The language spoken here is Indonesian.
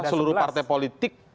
seluruh partai politik